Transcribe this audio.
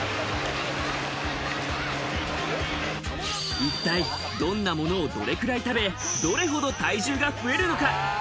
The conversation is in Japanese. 一体どんなものをどれくらい食べ、どれほど体重が増えるのか。